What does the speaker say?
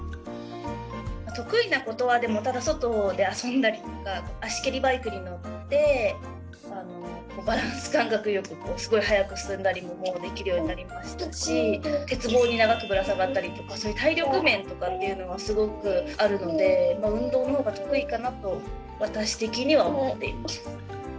得意なことは外で遊んだりとか足蹴りバイクに乗ってバランス感覚よくすごい速く進んだりももうできるようになりましたし鉄棒に長くぶら下がったりとかそういう体力面とかがすごくあるので運動の方が得意かなと私的には思っています。